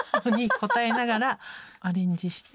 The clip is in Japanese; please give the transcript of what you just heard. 応えながらアレンジして。